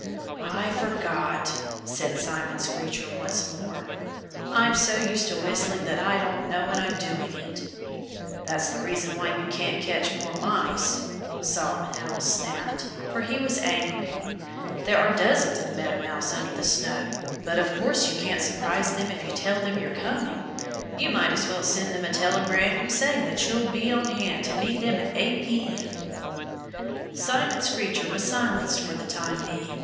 "I forgot," said Simon Screecher once more. "I'm so used to whistling that I don't know when I'm doing it." [Illustration: Solomon Owl and Simon Screecher wait for Master Meadow Mouse] "That's the reason why you can't catch more Mice," Solomon Owl snapped; for he was angry. "There are dozens of Meadow Mice under the snow. But of course you can't surprise them if you tell them you're coming. You might as well send them a telegram, saying that you'll be on hand to meet them at eight P. M." Simon Screecher was silenced for the time being.